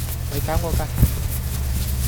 咪搞我架車